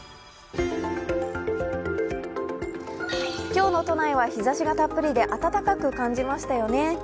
今日の都内は日ざしがたっぷりで、暖かく感じましたよね。